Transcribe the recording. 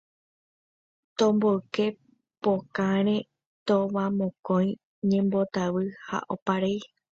Tomboyke pokarẽ, tovamokõi, ñembotavy ha oparei